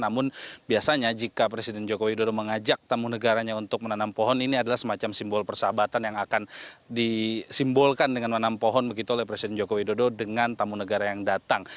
namun biasanya jika presiden joko widodo mengajak tamu negaranya untuk menanam pohon ini adalah semacam simbol persahabatan yang akan disimbolkan dengan menanam pohon begitu oleh presiden joko widodo dengan tamu negara yang datang